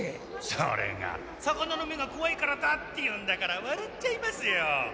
それが魚の目がこわいからだって言うんだからわらっちゃいますよ。